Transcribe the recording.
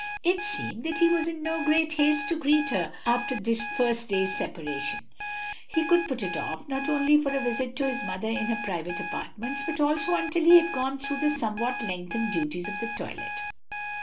It seemed that he was in no great haste to greet her after this their first day's separation; he could put it off, not only for a visit to his mother in her private apartments, but also until he had gone through the somewhat lengthened duties of the toilet.